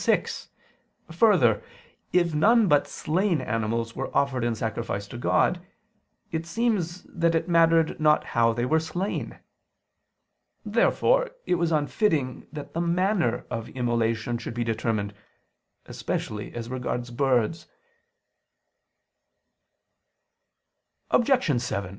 6: Further, if none but slain animals were offered in sacrifice to God, it seems that it mattered not how they were slain. Therefore it was unfitting that the manner of immolation should be determined, especially as regards birds (Lev. 1:15, seqq.).